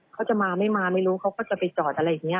เขาจะมาไม่มาไม่รู้เขาก็จะไปจอดอะไรอย่างนี้